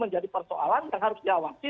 menjadi persoalan yang harus diawasi